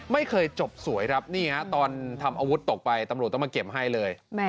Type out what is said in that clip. ไม่เคยจบสวยครับนี่ฮะตอนทำอาวุธตกไปตำรวจต้องมาเก็บให้เลย